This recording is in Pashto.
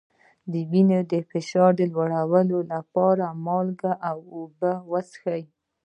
د وینې فشار لوړولو لپاره مالګه او اوبه وڅښئ